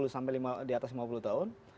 empat puluh sampai diatas lima puluh tahun